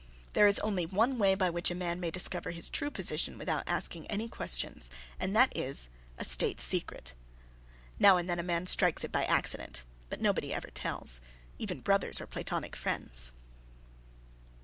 There is only one way by which a man may discover his true position without asking any questions, and that is a state secret. Now and then a man strikes it by accident, but nobody ever tells even brothers or platonic friends.